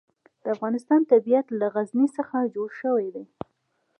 د افغانستان طبیعت له غزني څخه جوړ شوی دی.